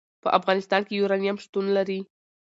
په افغانستان کې یورانیم شتون لري.